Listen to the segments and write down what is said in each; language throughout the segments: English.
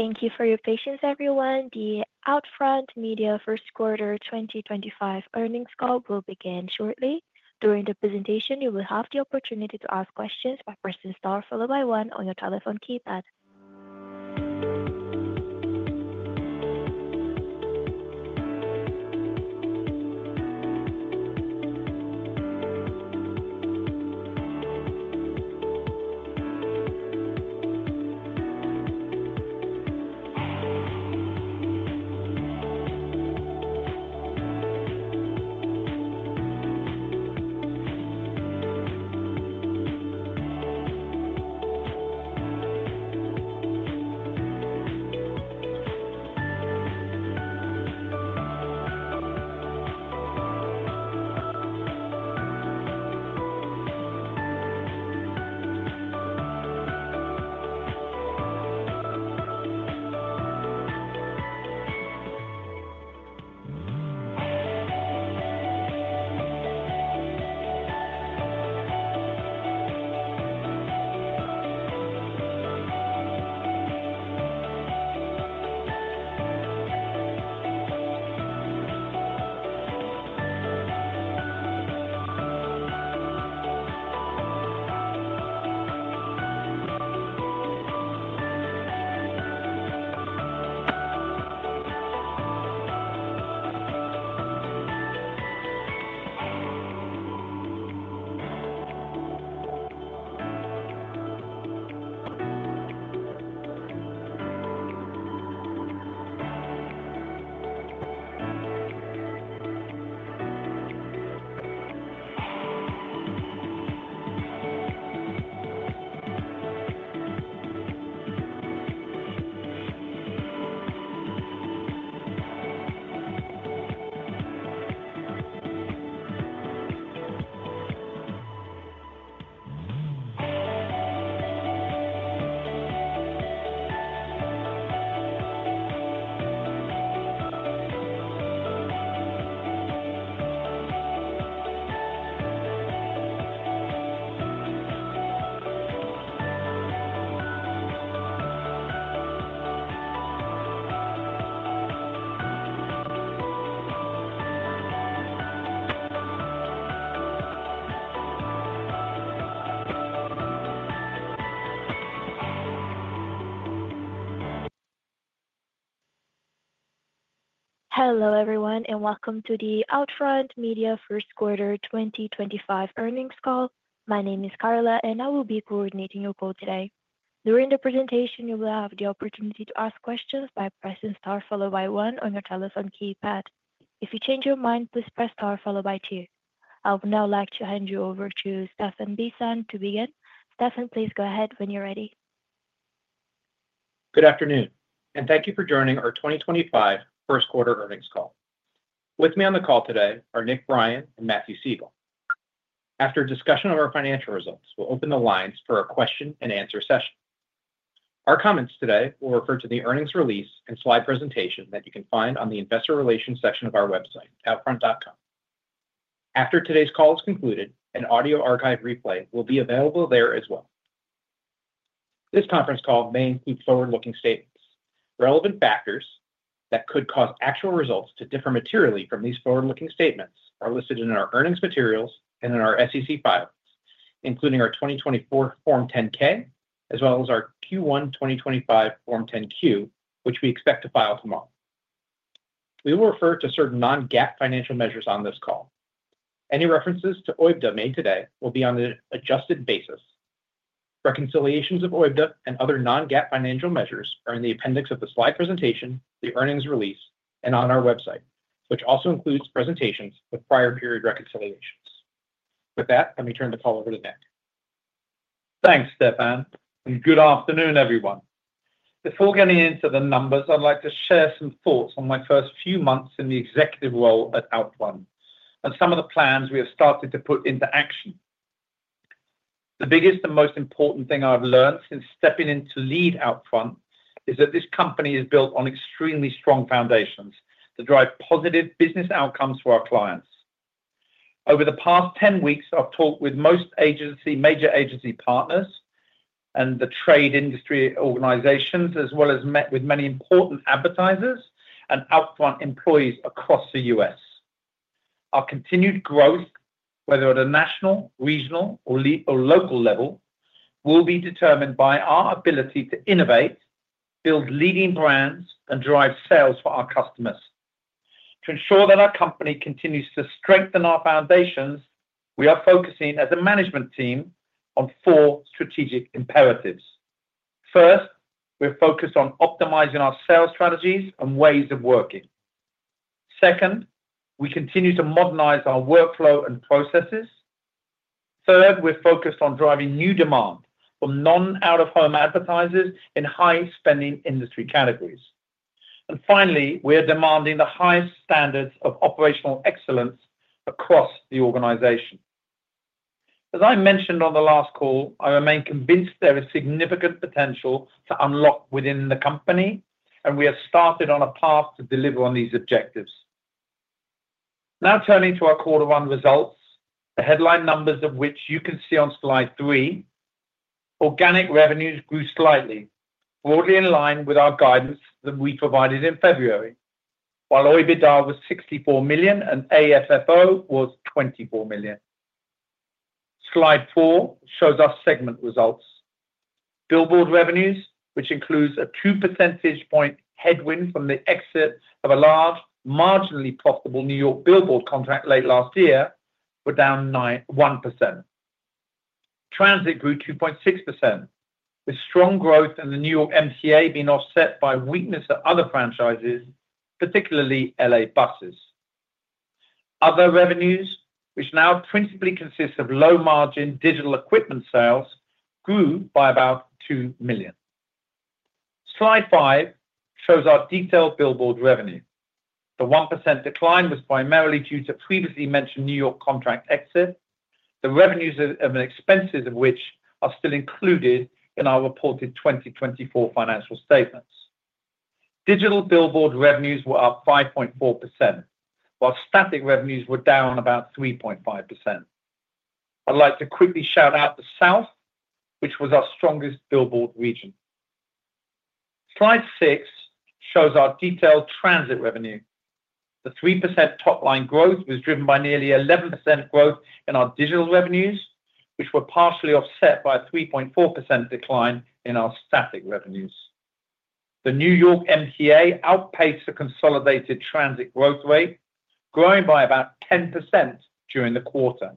Thank you for your patience, everyone. The OUTFRONT Media First Quarter 2025 Earnings Call will begin shortly. During the presentation, you will have the opportunity to ask questions by pressing star followed by one on your telephone keypad. Hello everyone, and welcome to the OUTFRONT Media First Quarter 2025 earnings call. My name is Carla, and I will be coordinating your call today. During the presentation, you will have the opportunity to ask questions by pressing star followed by one on your telephone keypad. If you change your mind, please press star followed by two. I would now like to hand you over to Stephan Bisson to begin. Stephan, please go ahead when you're ready. Good afternoon, and thank you for joining our 2025 First Quarter earnings call. With me on the call today are Nick Brien and Matthew Siegel. After a discussion of our financial results, we'll open the lines for a question-and-answer session. Our comments today will refer to the earnings release and slide presentation that you can find on the Investor Relations section of our website, outfront.com. After today's call is concluded, an audio archive replay will be available there as well. This conference call may include forward-looking statements. Relevant factors that could cause actual results to differ materially from these forward-looking statements are listed in our earnings materials and in our SEC filings, including our 2024 Form 10-K, as well as our Q1 2025 Form 10-Q, which we expect to file tomorrow. We will refer to certain non-GAAP financial measures on this call. Any references to OIBDA made today will be on an adjusted basis. Reconciliations of OIBDA and other non-GAAP financial measures are in the appendix of the slide presentation, the earnings release, and on our website, which also includes presentations with prior period reconciliations. With that, let me turn the call over to Nick. Thanks, Stephan, and good afternoon, everyone. Before getting into the numbers, I'd like to share some thoughts on my first few months in the executive role at OUTFRONT and some of the plans we have started to put into action. The biggest and most important thing I've learned since stepping in to lead OUTFRONT is that this company is built on extremely strong foundations that drive positive business outcomes for our clients. Over the past 10 weeks, I've talked with most major agency partners and the trade industry organizations, as well as met with many important advertisers and OUTFRONT employees across the U.S. Our continued growth, whether at a national, regional, or local level, will be determined by our ability to innovate, build leading brands, and drive sales for our customers. To ensure that our company continues to strengthen our foundations, we are focusing as a management team on four strategic imperatives. First, we're focused on optimizing our sales strategies and ways of working. Second, we continue to modernize our workflow and processes. Third, we're focused on driving new demand from non-out-of-home advertisers in high-spending industry categories. Finally, we are demanding the highest standards of operational excellence across the organization. As I mentioned on the last call, I remain convinced there is significant potential to unlock within the company, and we have started on a path to deliver on these objectives. Now turning to our quarter one results, the headline numbers of which you can see on slide three, organic revenues grew slightly, broadly in line with our guidance that we provided in February, while OIBDA was $64 million and AFFO was $24 million. Slide four shows our segment results. Billboard revenues, which includes a 2 percentage point headwind from the exit of a large, marginally profitable New York Billboard contract late last year, were down 1%. Transit grew 2.6%, with strong growth and the New York MTA being offset by weakness of other franchises, particularly L.A. buses. Other revenues, which now principally consist of low-margin digital equipment sales, grew by about $2 million. Slide five shows our detailed Billboard revenue. The 1% decline was primarily due to previously mentioned New York contract exit, the revenues and expenses of which are still included in our reported 2024 financial statements. Digital Billboard revenues were up 5.4%, while static revenues were down about 3.5%. I'd like to quickly shout out the South, which was our strongest Billboard region. Slide six shows our detailed transit revenue. The 3% top-line growth was driven by nearly 11% growth in our digital revenues, which were partially offset by a 3.4% decline in our static revenues. The New York MTA outpaced the consolidated transit growth rate, growing by about 10% during the quarter.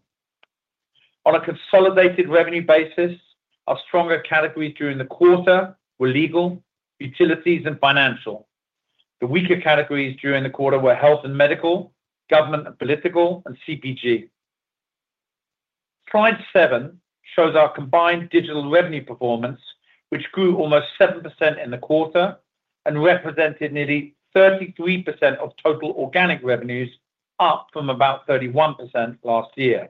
On a consolidated revenue basis, our stronger categories during the quarter were legal, utilities, and financial. The weaker categories during the quarter were health and medical, government and political, and CPG. Slide seven shows our combined digital revenue performance, which grew almost 7% in the quarter and represented nearly 33% of total organic revenues, up from about 31% last year.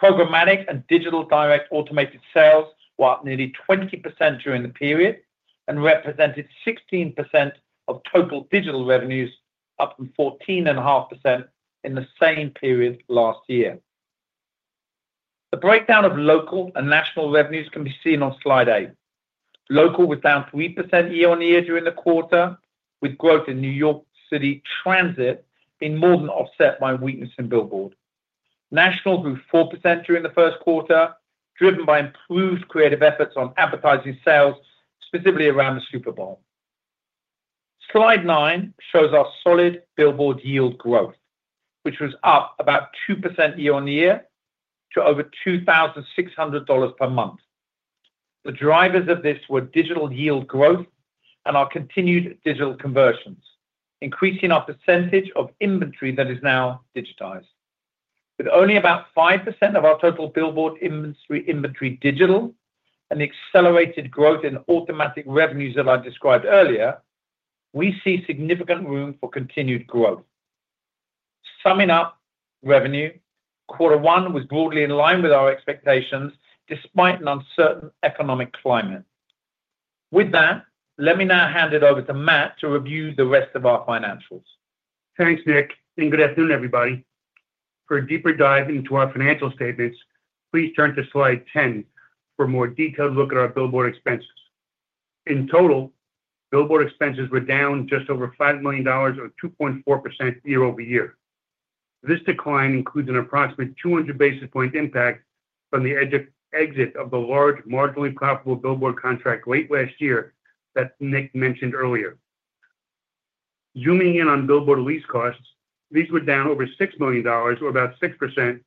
Programmatic and digital direct automated sales were up nearly 20% during the period and represented 16% of total digital revenues, up from 14.5% in the same period last year. The breakdown of local and national revenues can be seen on slide eight. Local was down 3% year-on-year during the quarter, with growth in New York City transit being more than offset by weakness in Billboard. National grew 4% during the first quarter, driven by improved creative efforts on advertising sales, specifically around the Super Bowl. Slide nine shows our solid Billboard yield growth, which was up about 2% year-on-year to over $2,600 per month. The drivers of this were digital yield growth and our continued digital conversions, increasing our percentage of inventory that is now digitized. With only about 5% of our total Billboard inventory digital and the accelerated growth in automatic revenues that I described earlier, we see significant room for continued growth. Summing up revenue, quarter one was broadly in line with our expectations despite an uncertain economic climate. With that, let me now hand it over to Matt to review the rest of our financials. Thanks, Nick, and good afternoon, everybody. For a deeper dive into our financial statements, please turn to slide 10 for a more detailed look at our Billboard expenses. In total, Billboard expenses were down just over $5 million, or 2.4% year-over-year. This decline includes an approximate 200 basis point impact from the exit of the large marginally profitable Billboard contract late last year that Nick mentioned earlier. Zooming in on Billboard lease costs, these were down over $6 million, or about 6%,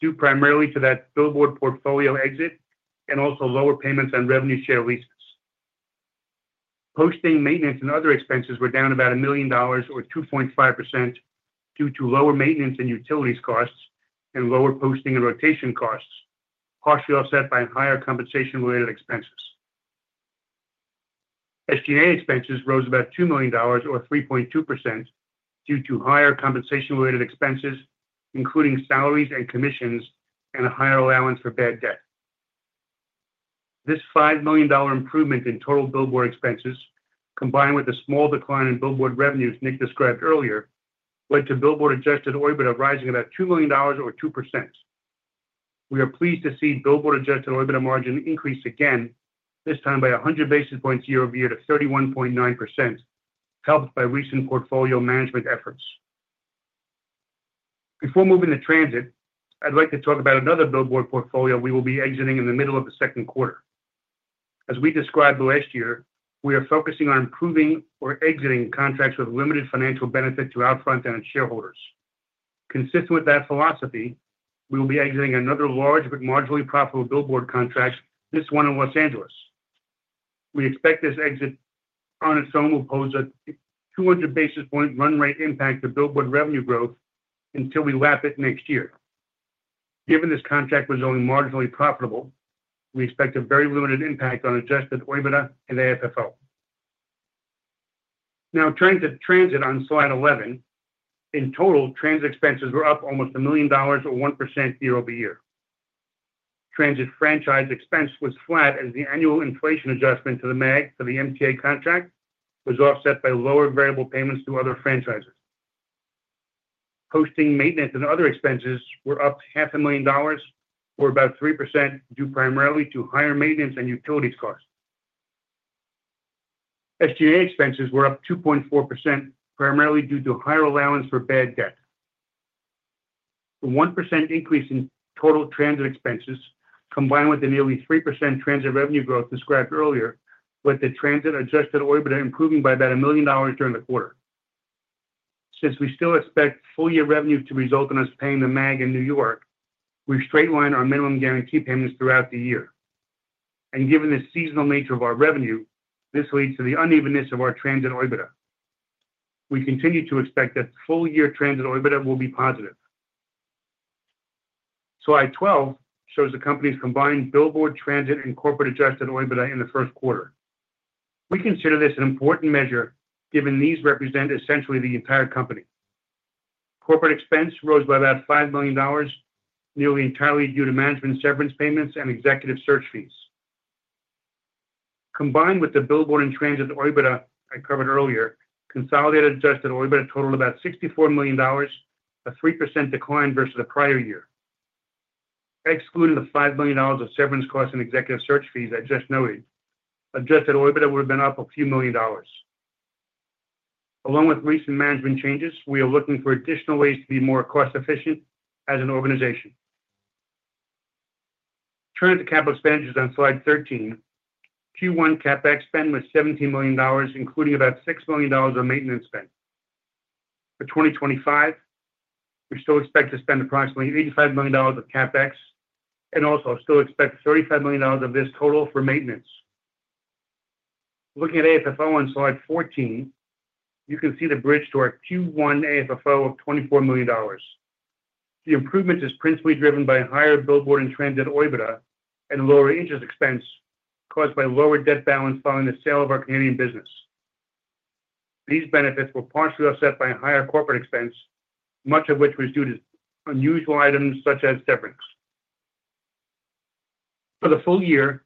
due primarily to that Billboard portfolio exit and also lower payments on revenue share leases. Posting, maintenance, and other expenses were down about $1 million, or 2.5%, due to lower maintenance and utilities costs and lower posting and rotation costs, partially offset by higher compensation-related expenses. SGA expenses rose about $2 million, or 3.2%, due to higher compensation-related expenses, including salaries and commissions and a higher allowance for bad debt. This $5 million improvement in total Billboard expenses, combined with a small decline in Billboard revenues Nick described earlier, led to Billboard adjusted OIBDA rising about $2 million, or 2%. We are pleased to see Billboard adjusted OIBDA margin increase again, this time by 100 basis points year-over-year to 31.9%, helped by recent portfolio management efforts. Before moving to transit, I'd like to talk about another Billboard portfolio we will be exiting in the middle of the second quarter. As we described last year, we are focusing on improving or exiting contracts with limited financial benefit to OUTFRONT and its shareholders. Consistent with that philosophy, we will be exiting another large but marginally profitable Billboard contract, this one in Los Angeles. We expect this exit on its own will pose a 200 basis point run rate impact to Billboard revenue growth until we wrap it next year. Given this contract was only marginally profitable, we expect a very limited impact on adjusted OIBDA and AFFO. Now turning to transit on slide 11, in total, transit expenses were up almost $1 million, or 1% year-over-year. Transit franchise expense was flat as the annual inflation adjustment to the MTA contract was offset by lower variable payments to other franchises. Posting, maintenance, and other expenses were up $500,000, or about 3%, due primarily to higher maintenance and utilities costs. SGA expenses were up 2.4%, primarily due to higher allowance for bad debt. The 1% increase in total transit expenses, combined with the nearly 3% transit revenue growth described earlier, led to transit adjusted OIBDA improving by about $1 million during the quarter. Since we still expect full-year revenue to result in us paying the MAG in New York, we straight-line our minimum guarantee payments throughout the year. Given the seasonal nature of our revenue, this leads to the unevenness of our transit OIBDA. We continue to expect that full-year transit OIBDA will be positive. Slide 12 shows the company's combined Billboard, transit, and corporate adjusted OIBDA in the first quarter. We consider this an important measure given these represent essentially the entire company. Corporate expense rose by about $5 million, nearly entirely due to management severance payments and executive search fees. Combined with the Billboard and transit OIBDA I covered earlier, consolidated adjusted OIBDA totaled about $64 million, a 3% decline versus the prior year. Excluding the $5 million of severance costs and executive search fees I just noted, adjusted OIBDA would have been up a few million dollars. Along with recent management changes, we are looking for additional ways to be more cost-efficient as an organization. Turning to capital expenditures on slide 13, Q1 CapEx spend was $17 million, including about $6 million of maintenance spend. For 2025, we still expect to spend approximately $85 million of CapEx and also still expect $35 million of this total for maintenance. Looking at AFFO on slide 14, you can see the bridge to our Q1 AFFO of $24 million. The improvement is principally driven by higher Billboard and transit OIBDA and lower interest expense caused by lower debt balance following the sale of our Canadian business. These benefits were partially offset by higher corporate expense, much of which was due to unusual items such as severance. For the full year,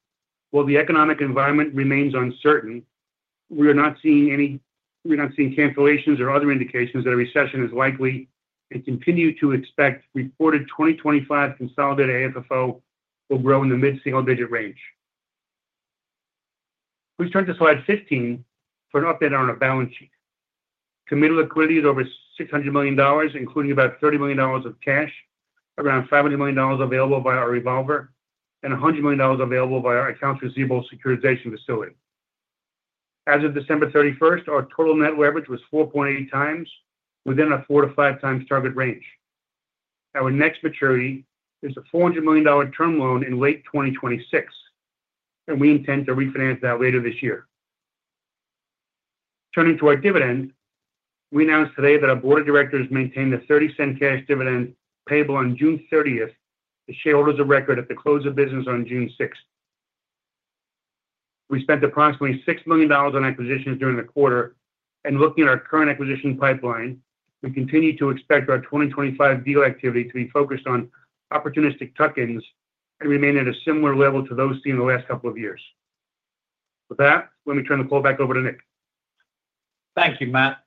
while the economic environment remains uncertain, we are not seeing any cancellations or other indications that a recession is likely and continue to expect reported 2025 consolidated AFFO will grow in the mid-single-digit range. Please turn to slide 15 for an update on our balance sheet. Committed liquidity is over $600 million, including about $30 million of cash, around $500 million available via our revolver, and $100 million available via our accounts receivable securitization facility. As of December 31st, our total net leverage was 4.8 times, within a four to five times target range. Our next maturity is a $400 million term loan in late 2026, and we intend to refinance that later this year. Turning to our dividend, we announced today that our board of directors maintained a $0.30 cash dividend payable on June 30 to shareholders of record at the close of business on June 6. We spent approximately $6 million on acquisitions during the quarter, and looking at our current acquisition pipeline, we continue to expect our 2025 deal activity to be focused on opportunistic tuck-ins and remain at a similar level to those seen in the last couple of years. With that, let me turn the call back over to Nick. Thank you, Matt.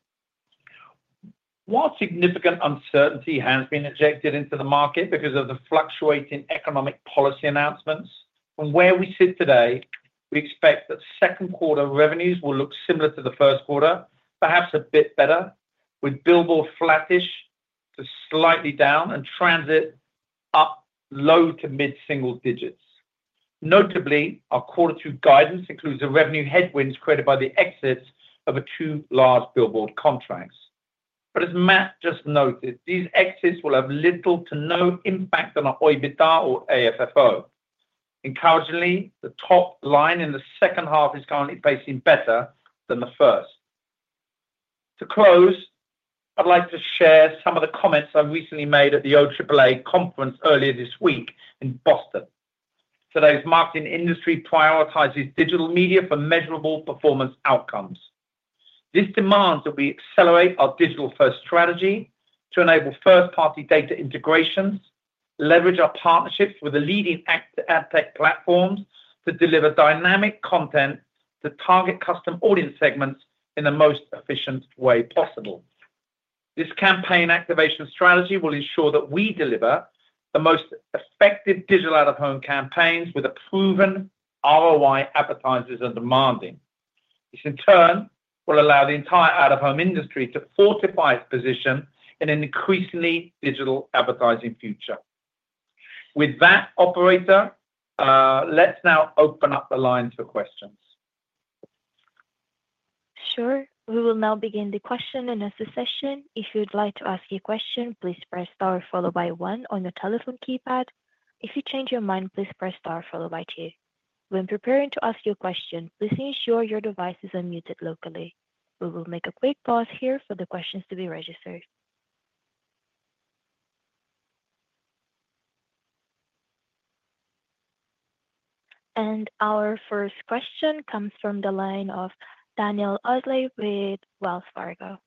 While significant uncertainty has been injected into the market because of the fluctuating economic policy announcements, from where we sit today, we expect that second quarter revenues will look similar to the first quarter, perhaps a bit better, with Billboard flattish to slightly down and transit up low to mid-single digits. Notably, our quarter two guidance includes the revenue headwinds created by the exits of two large Billboard contracts. As Matt just noted, these exits will have little to no impact on our OIBDA or AFFO. Encouragingly, the top line in the second half is currently facing better than the first. To close, I'd like to share some of the comments I recently made at the OAAA conference earlier this week in Boston. Today's marketing industry prioritizes digital media for measurable performance outcomes. This demands that we accelerate our digital-first strategy to enable first-party data integrations, leverage our partnerships with the leading ad tech platforms to deliver dynamic content to target custom audience segments in the most efficient way possible. This campaign activation strategy will ensure that we deliver the most effective digital out-of-home campaigns with proven ROI advertisers are demanding. This, in turn, will allow the entire out-of-home industry to fortify its position in an increasingly digital advertising future. With that, operator, let's now open up the line to questions. Sure. We will now begin the question and answer session. If you'd like to ask a question, please press star followed by one on your telephone keypad. If you change your mind, please press star followed by two. When preparing to ask your question, please ensure your device is unmuted locally. We will make a quick pause here for the questions to be registered. Our first question comes from the line of Daniel Osley with Wells Fargo.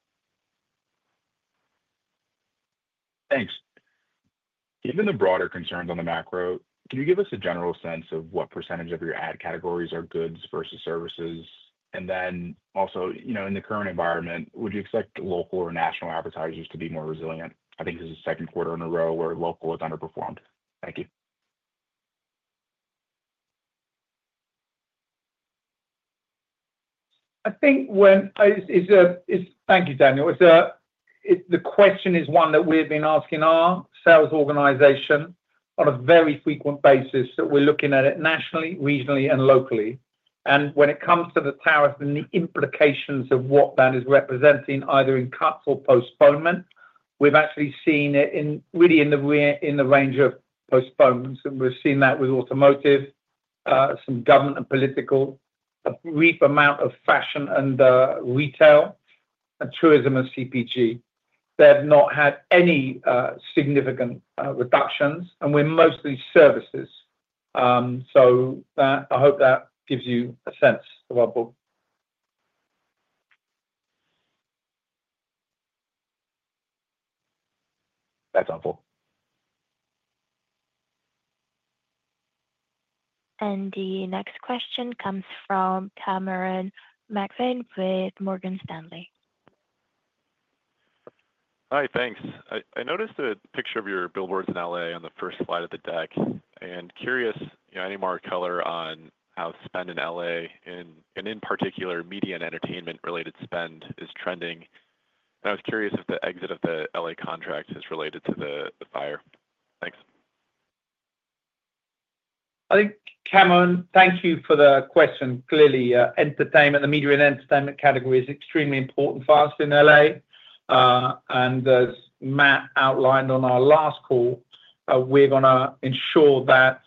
Thanks. Given the broader concerns on the macro, can you give us a general sense of what percentage of your ad categories are goods versus services? Also, in the current environment, would you expect local or national advertisers to be more resilient? I think this is the second quarter in a row where local has underperformed. Thank you. I think when it's a—thank you, Daniel. The question is one that we've been asking our sales organization on a very frequent basis, so we're looking at it nationally, regionally, and locally. When it comes to the tariff and the implications of what that is representing, either in cuts or postponement, we've actually seen it really in the range of postponements. We've seen that with automotive, some government and political, a brief amount of fashion and retail, and tourism and CPG. They've not had any significant reductions, and we're mostly services. I hope that gives you a sense of our book. Thanks. The next question comes from Cameron McVeigh with Morgan Stanley. Hi, thanks. I noticed a picture of your billboards in L.A. on the first slide of the deck and curious any more color on how spend in L.A. and, in particular, media and entertainment-related spend is trending. I was curious if the exit of the L.A. contract is related to the fire. Thanks. I think, Cameron, thank you for the question. Clearly, entertainment, the media and entertainment category is extremely important for us in Los Angeles. As Matt outlined on our last call, we are going to ensure that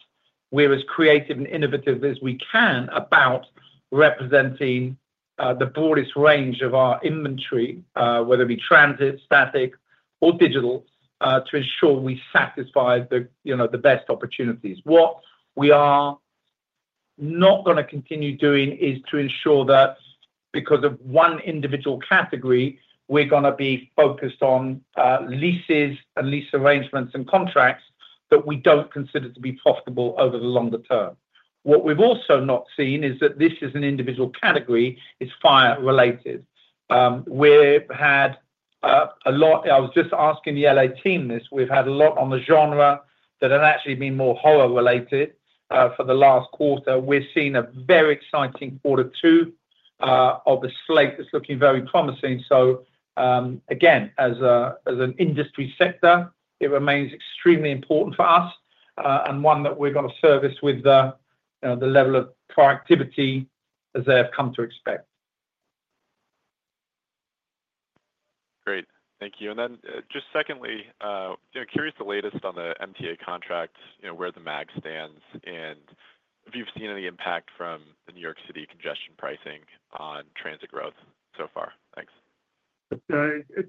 we are as creative and innovative as we can about representing the broadest range of our inventory, whether it be transit, static, or digital, to ensure we satisfy the best opportunities. What we are not going to continue doing is to ensure that because of one individual category, we are going to be focused on leases and lease arrangements and contracts that we do not consider to be profitable over the longer term. What we have also not seen is that this is an individual category; it is fire-related. We have had a lot—I was just asking the Los Angeles team this—we have had a lot on the genre that had actually been more horror-related for the last quarter. We've seen a very exciting quarter two of the slate that's looking very promising. As an industry sector, it remains extremely important for us and one that we're going to service with the level of productivity as they have come to expect. Great. Thank you. And then just secondly, curious the latest on the MTA contract, where the MAG stands, and if you've seen any impact from the New York City congestion pricing on transit growth so far. Thanks.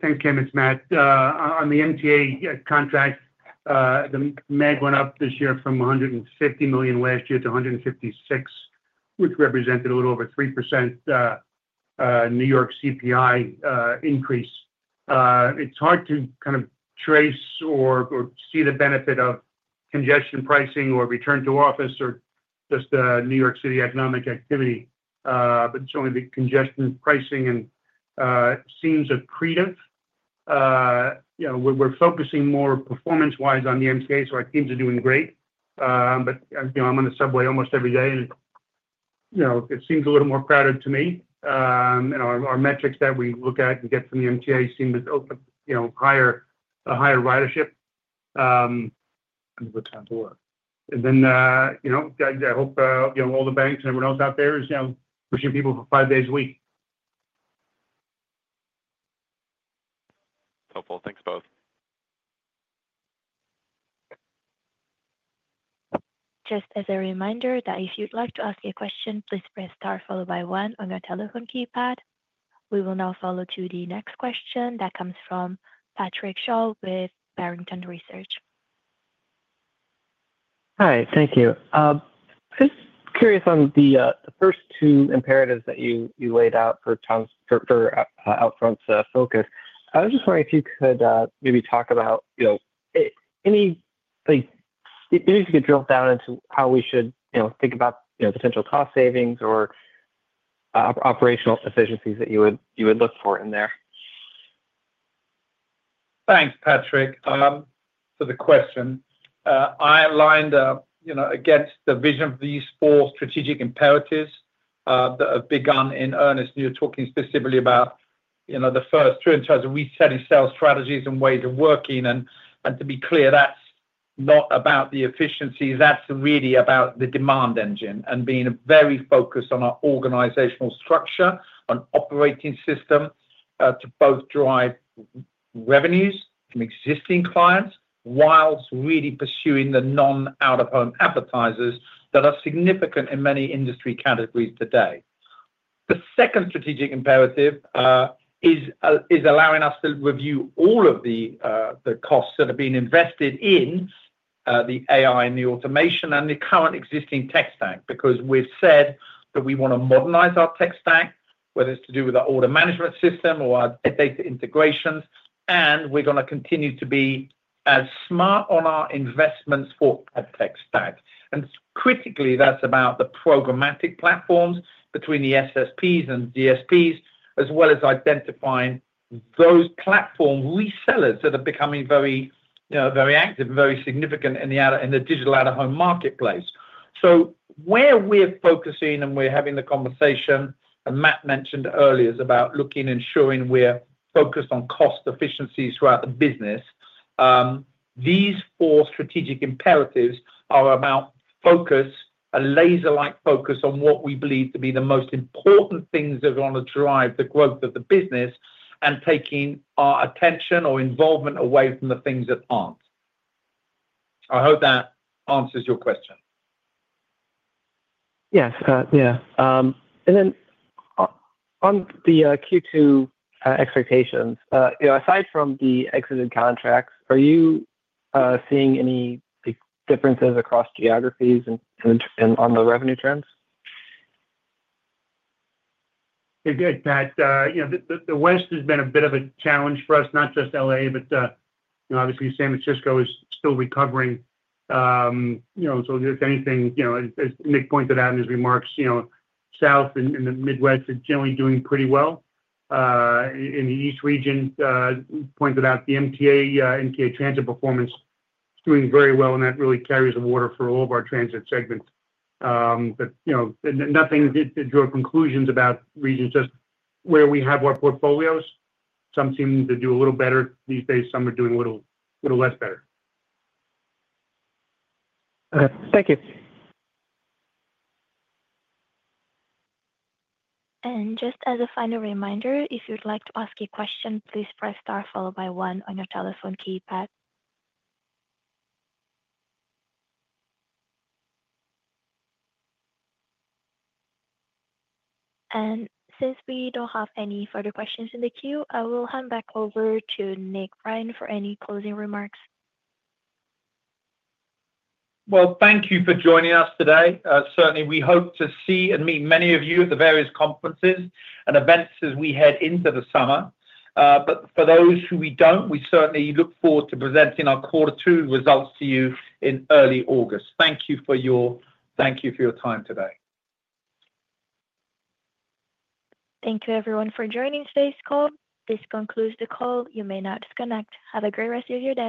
Thanks, Cameron. It's Matt. On the MTA contract, the MAG went up this year from $150 million last year to $156 million, which represented a little over 3% New York CPI increase. It's hard to kind of trace or see the benefit of congestion pricing or return to office or just New York City economic activity, but certainly the congestion pricing seems accretive. We're focusing more performance-wise on the MTA, so our teams are doing great. I'm on the subway almost every day, and it seems a little more crowded to me. Our metrics that we look at and get from the MTA seem to open a higher ridership. I need more time to work. I hope all the banks and everyone else out there is pushing people for five days a week. Helpful. Thanks both. Just as a reminder that if you'd like to ask a question, please press star followed by one on your telephone keypad. We will now follow to the next question that comes from Patrick Shaw with Barrington Research. Hi, thank you. Just curious on the first two imperatives that you laid out for OUTFRONT focus. I was just wondering if you could maybe talk about any, if you could drill down into how we should think about potential cost savings or operational efficiencies that you would look for in there. Thanks, Patrick, for the question. I aligned against the vision of these four strategic imperatives that have begun in earnest. You are talking specifically about the first two in terms of resetting sales strategies and ways of working. To be clear, that is not about the efficiencies. That is really about the demand engine and being very focused on our organizational structure, on operating system to both drive revenues from existing clients whilst really pursuing the non-out-of-home advertisers that are significant in many industry categories today. The second strategic imperative is allowing us to review all of the costs that have been invested in the AI and the automation and the current existing tech stack because we've said that we want to modernize our tech stack, whether it's to do with our order management system or our data integrations, and we're going to continue to be as smart on our investments for our tech stack. Critically, that's about the programmatic platforms between the SSPs and DSPs, as well as identifying those platform resellers that are becoming very active and very significant in the digital out-of-home marketplace. Where we're focusing and we're having the conversation, and Matt mentioned earlier, is about looking and ensuring we're focused on cost efficiencies throughout the business. These four strategic imperatives are about focus, a laser-like focus on what we believe to be the most important things that are going to drive the growth of the business and taking our attention or involvement away from the things that aren't. I hope that answers your question. Yes. Yeah. On the Q2 expectations, aside from the exited contracts, are you seeing any differences across geographies and on the revenue trends? Good, Matt. The West has been a bit of a challenge for us, not just LA, but obviously, San Francisco is still recovering. If anything, as Nick pointed out in his remarks, South and the Midwest are generally doing pretty well. In the East region, pointed out the MTA, MTA transit performance is doing very well, and that really carries the water for all of our transit segments. Nothing to draw conclusions about regions, just where we have our portfolios. Some seem to do a little better these days. Some are doing a little less better. Thank you. Just as a final reminder, if you'd like to ask a question, please press star followed by one on your telephone keypad. Since we do not have any further questions in the queue, I will hand back over to Nick Brien for any closing remarks. Thank you for joining us today. Certainly, we hope to see and meet many of you at the various conferences and events as we head into the summer. For those who we do not, we certainly look forward to presenting our quarter two results to you in early August. Thank you for your time today. Thank you, everyone, for joining today's call. This concludes the call. You may now disconnect. Have a great rest of your day.